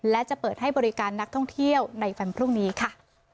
และจะเปิดให้บริการนักท่องเที่ยวในวันพรุ่งนี้ค่ะ